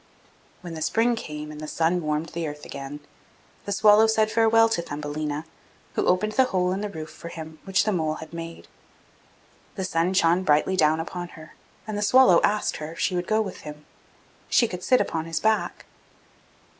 When the spring came, and the sun warmed the earth again, the swallow said farewell to Thumbelina, who opened the hole in the roof for him which the mole had made. The sun shone brightly down upon her, and the swallow asked her if she would go with him; she could sit upon his back.